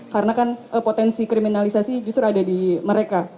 karena kan potensi kriminalisasi justru ada di mereka